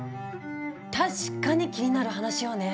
確かに気になる話よね。